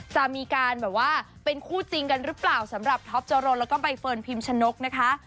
จะมีการแบบว่าเป็นคู่จริงกันหรือเปล่าสำหรับท็อปจรนแล้วก็ใบเฟิร์นพิมชนกนะคะ